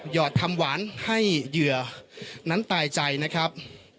หอดทำหวานให้เหยื่อนั้นตายใจนะครับ